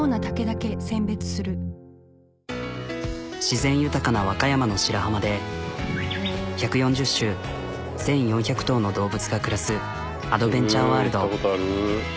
自然豊かな和歌山の白浜で１４０種１、４００頭の動物が暮らすアドベンチャーワールド。